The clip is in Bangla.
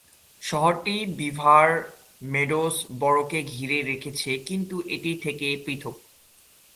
শহরটি বিভার মেডোস বরোকে ঘিরে রেখেছে কিন্তু এটি থেকে পৃথক।